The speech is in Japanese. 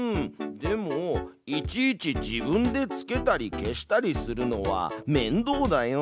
でもいちいち自分でつけたり消したりするのはめんどうだよ。